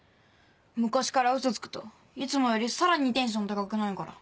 昔からウソつくといつもよりさらにテンション高くなるから。